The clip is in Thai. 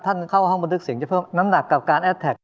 เข้าห้องบันทึกเสียงจะเพิ่มน้ำหนักกับการแอดแท็ก